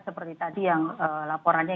seperti tadi yang laporannya